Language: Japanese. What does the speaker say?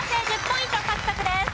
１０ポイント獲得です。